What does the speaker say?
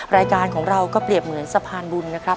รายการของเราก็เปรียบเหมือนสะพานบุญนะครับ